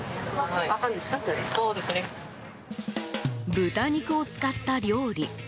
豚肉を使った料理。